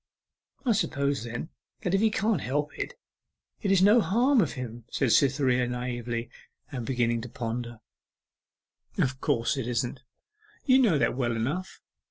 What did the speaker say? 'I suppose then, that if he can't help it, it is no harm of him,' said Cytherea naively, and beginning to ponder. 'Of course it isn't you know that well enough.